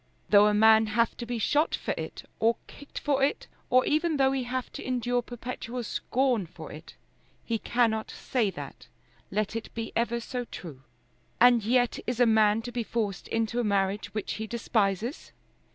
Though a man have to be shot for it, or kicked for it, or even though he have to endure perpetual scorn for it, he cannot say that, let it be ever so true. And yet is a man to be forced into a marriage which he despises?